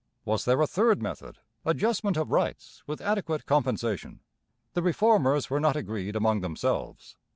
Was there a third method, adjustment of rights with adequate compensation? The Reformers were not agreed among themselves.